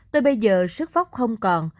tôi bây giờ sức vóc không còn